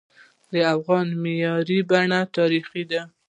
د افغان معماری بڼه تاریخي ده.